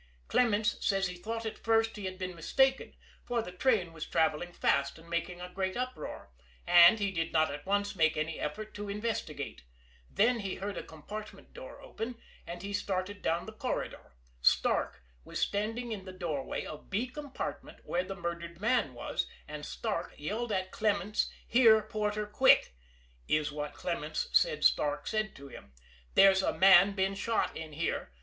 Clements says he thought at first he had been mistaken, for the train was travelling fast and making a great uproar, and he did not at once make any effort to investigate. Then he heard a compartment door open, and he started down the corridor. Starke was standing in the doorway of B compartment where the murdered man was, and Starke yelled at Clements. "Here, porter, quick!" is what Clements says Starke said to him: "There's a man been shot in here!